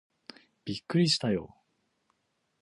びっくりしたよー